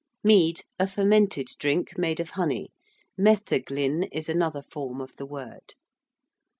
~mead~: a fermented drink made of honey: metheglin is another form of the word.